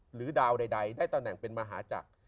หรือดาวใดได้ตำแหน่งเป็นมหาจักร